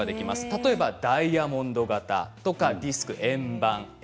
例えばダイヤモンド型ディスク、円盤ですね。